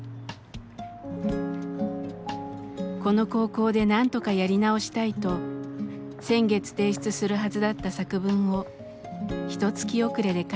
この高校でなんとかやり直したいと先月提出するはずだった作文をひとつき遅れで書いていました。